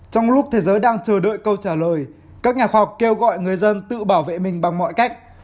trong lúc thế giới đang chờ đợi câu trả lời các nhà khoa học kêu gọi người dân tự bảo vệ mình bằng mọi cách